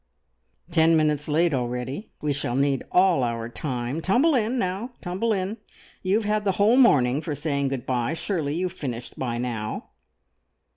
"Ten minutes late already. We shall need all our time. Tumble in, now, tumble in! You have had the whole morning for saying good bye. Surely you have finished by now!"